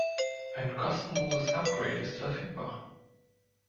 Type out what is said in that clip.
Ein kostenloses Upgrade ist verfügbar.